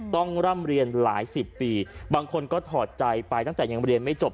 ร่ำเรียนหลายสิบปีบางคนก็ถอดใจไปตั้งแต่ยังเรียนไม่จบ